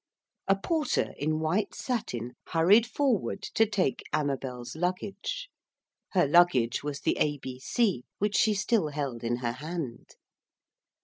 A porter in white satin hurried forward to take Amabel's luggage. Her luggage was the A.B.C. which she still held in her hand.